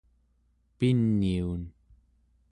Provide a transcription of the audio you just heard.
piniun